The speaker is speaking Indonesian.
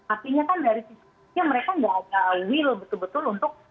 artinya kan dari sisi mereka tidak ada will betul betul untuk